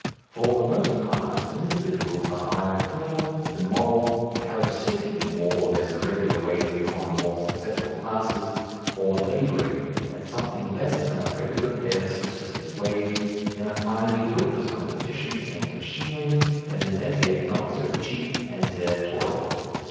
For the most part its individuals are either criminal, immoral, parasitic in more or less irregular ways upon the more successful classes, or labouring, at something less than a regular bare subsistence wage, in a finally hopeless competition against machinery that is as yet not so cheap as their toil.